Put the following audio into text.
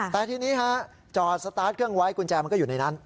แต่ทีนี้ฮะจอดสตาร์ทเครื่องไว้กุญแจมันก็อยู่ในนั้น